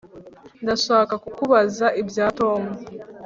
Ndashaka kukubaza ibya Tom